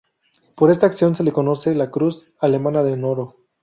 Por esta acción se le concede la Cruz Alemana en Oro.